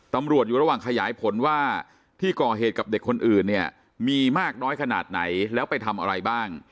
ตำรวจอยู่ระหว่างขยายผลว่าที่ก่อเหตุกับเด็กคนอื่นเนี่ยมีมากน้อยขนาดไหนแล้วไปทำอะไรบ้าง